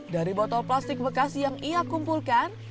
dari botol plastik bekas yang ia kumpulkan